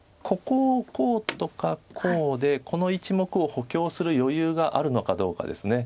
ここをこうとかこうでこの１目を補強する余裕があるのかどうかです。